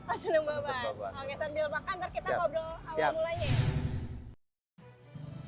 oh senang bawa buahan